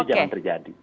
itu jangan terjadi